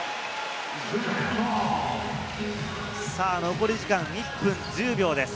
残り時間は１分３０秒です。